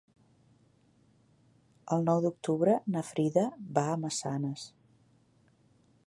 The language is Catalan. El nou d'octubre na Frida va a Massanes.